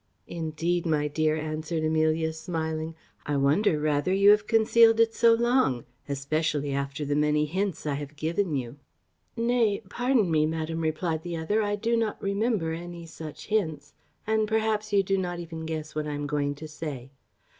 "Indeed, my dear," answered Amelia, smiling, "I wonder rather you have concealed it so long; especially after the many hints I have given you." "Nay, pardon me, madam," replied the other; "I do not remember any such hints; and, perhaps, you do not even guess what I am going to say.